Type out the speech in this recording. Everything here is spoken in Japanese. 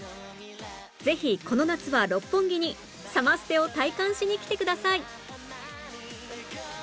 ぜひこの夏は六本木にサマステを体感しに来てください！